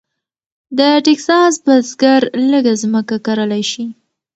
د ټیکساس بزګر لږه ځمکه کرلی شي.